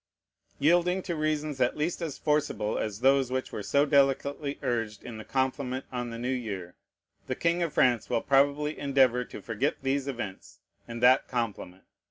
Yielding to reasons at least as forcible as those which were so delicately urged in the compliment on the new year, the king of France will probably endeavor to forget these events and that compliment.